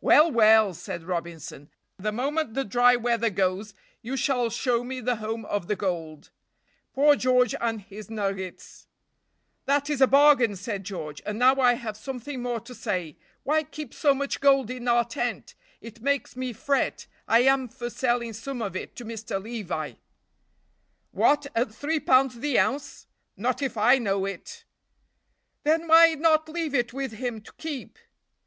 "Well! well!" said Robinson, "the moment the dry weather goes you shall show me the home of the gold." Poor George and his nuggets! "That is a bargain," said George, "and now I have something more to say. Why keep so much gold in our tent? It makes me fret. I am for selling some of it to Mr. Levi. "What, at three pounds the ounce? not if I know it." "Then why not leave it with him to keep?"